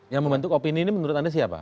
yang membentuk opini ini menurut anda siapa